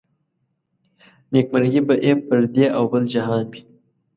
نيکمرغي به يې پر دې او بل جهان وي